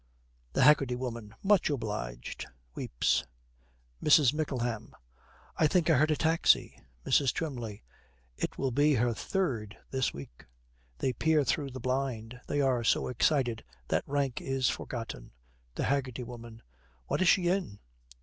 THE HAGGERTY WOMAN. 'Much obliged' (weeps). MRS. MICKLEHAM. 'I think I heard a taxi.' MRS. TWYMLEY. 'It will be her third this week.' They peer through the blind. They are so excited that rank is forgotten. THE HAGGERTY WOMAN. 'What is she in?'